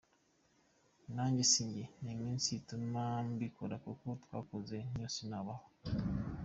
Nanjye si njye ni iminsi ituma mbikora kuko ntakoze ntyo sinabaho.